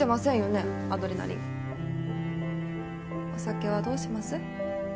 お酒はどうします？